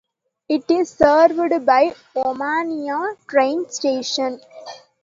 It is served by Omonoia train station.